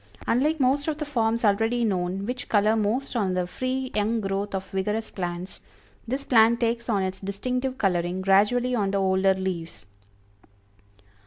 Unlike most of the forms already known, which color most on the free young growth of vigorous plants, this plant takes on its distinctive coloring gradually on the older leaves.